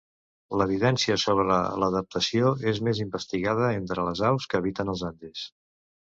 L'evidència sobre l'adaptació és més investigada entre les aus que habiten als Andes.